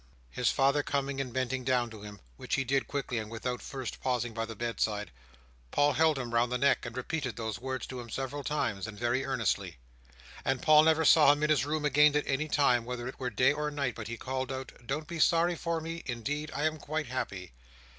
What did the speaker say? His father coming and bending down to him—which he did quickly, and without first pausing by the bedside—Paul held him round the neck, and repeated those words to him several times, and very earnestly; and Paul never saw him in his room again at any time, whether it were day or night, but he called out, "Don't be sorry for me! Indeed I am quite happy!"